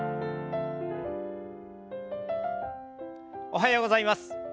おはようございます。